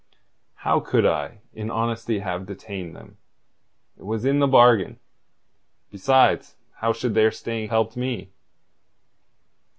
"How could I in honesty have detained them? It was in the bargain. Besides, how could their staying have helped me?"